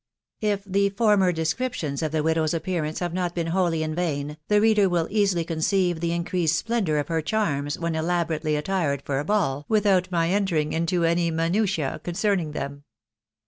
If the former descriptions of the widow's appearance have not been wholly in vain, the reader will easily conceive the increased splendour of her charms when elaborately attired for a ball, without my entering into any minutiae concerning them.